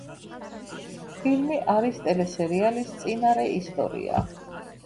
ფილმი არის ტელესერიალის წინარეისტორია.